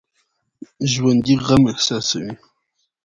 ژوندي غم احساسوي